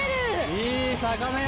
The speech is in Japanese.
いい魚や！